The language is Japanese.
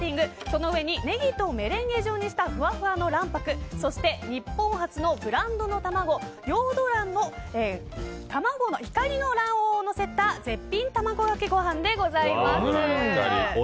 その上にネギとメレンゲ状にしたふわふわの卵白そして日本初のブランドの卵ヨード卵・光の卵黄をのせた絶品卵かけご飯でございます。